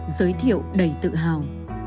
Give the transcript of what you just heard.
giới thiệu đầy tự hào